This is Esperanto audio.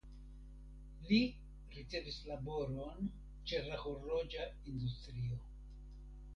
Li ricevis laboron ĉe la horloĝa industrio.